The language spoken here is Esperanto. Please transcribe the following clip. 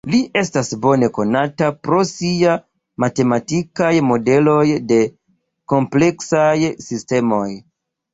Li estas bone konata pro sia matematikaj modeloj de kompleksaj sistemoj.